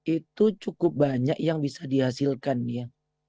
itu cukup banyak yang bisa dihasilkan ya